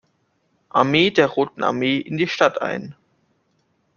Armee der Roten Armee in die Stadt ein.